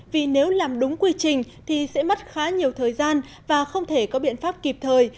vì nếu làm đúng quy trình thì sẽ mất khá nhiều thời gian và không thể có biện pháp kịp thời